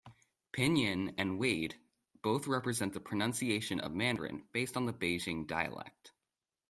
Pinyin and Wade both represent the pronunciation of Mandarin, based on the Beijing dialect.